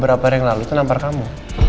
beberapa hari yang lalu nampar kamu